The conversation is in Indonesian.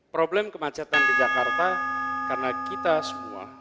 problem kemacetan di jakarta karena kita semua